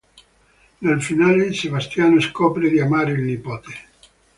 Nel finale Sebastiano scopre di amare il nipote.